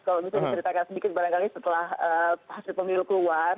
sekolah juga diseritakan sedikit barangkali setelah hasil pemilu keluar